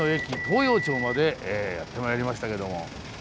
東洋町までやってまいりましたけども。